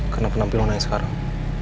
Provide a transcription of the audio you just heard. karena penampilan lo yang sekarang